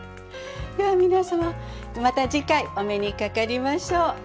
では皆様また次回お目にかかりましょう。